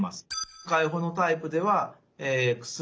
開放のタイプでは薬